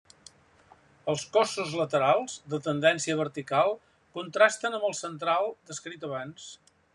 Els cossos laterals, de tendència vertical, contrasten amb el central, descrit abans.